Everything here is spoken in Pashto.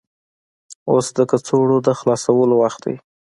اوس د کڅوړو د خلاصولو وخت دی.